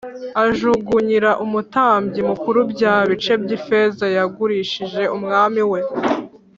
ajugunyira umutambyi mukuru bya bice by’ifeza yagurishije umwami we